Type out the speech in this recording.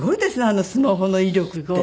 あのスマホの威力って。